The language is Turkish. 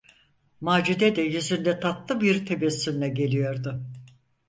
Macide de yüzünde tatlı bir tebessümle geliyordu.